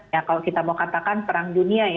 kalau kita mau katakan perang dunia